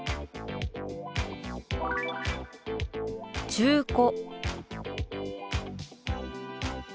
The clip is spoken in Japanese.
「中古」。